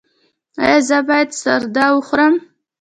ایا زه باید سردا وخورم؟